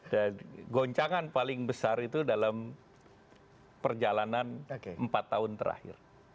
dan goncangan paling besar itu dalam perjalanan empat tahun terakhir